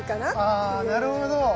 あなるほど。